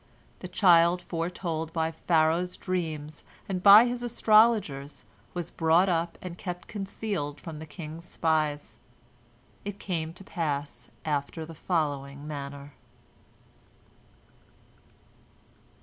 The child foretold by Pharaoh's dreams and by his astrologers was brought up and kept concealed from the king's spies. It came to pass after the following manner.